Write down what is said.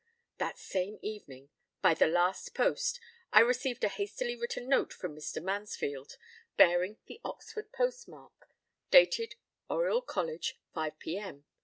p> "That same evening, by the last post, I received a hastily written note from Mr. Mansfield, bearing the Oxford postmark, dated Oriel College, 5 p.m.